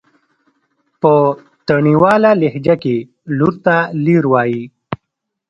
په تڼيواله لهجه کې لور ته لير وايي.